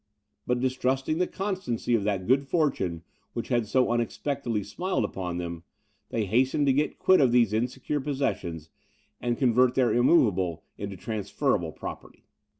But distrusting the constancy of that good fortune, which had so unexpectedly smiled upon them, they hastened to get quit of these insecure possessions, and to convert their immoveable into transferable property.